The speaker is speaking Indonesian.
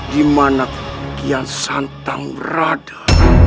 dimana kian santang berada